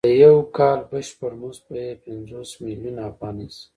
د یو کال بشپړ مزد به یې پنځوس میلیونه افغانۍ شي